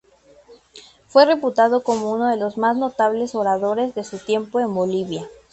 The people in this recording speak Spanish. Fue reputado como uno de los más notables oradores de su tiempo en Bolivia.